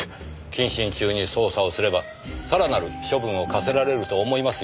謹慎中に捜査をすればさらなる処分を科せられると思いますよ。